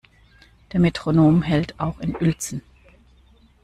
Der Metronom hält auch in Uelzen.